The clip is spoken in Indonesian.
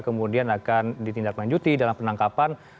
kemudian akan ditindak lanjuti dalam penangkapan